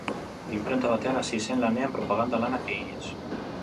Inprenta batean hasi zen lanean propaganda lanak eginez.